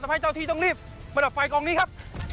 ให้เจ้าที่ต้องรีบประดับไฟกองนี้ครับ